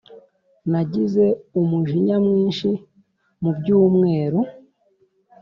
Nagize umujinya mwinshi mu byumweru